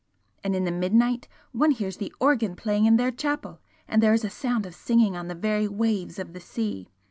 And in the midnight one hears the organ playing in their chapel, and there is a sound of singing on the very waves of the sea!